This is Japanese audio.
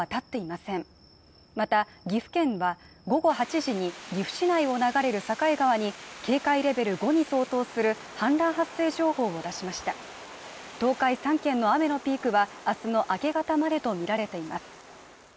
また岐阜県は午後８時に岐阜市内を流れる境川に警戒レベル５に相当する氾濫発生情報を出しました東海３県の雨のピークはあすの明け方までと見られています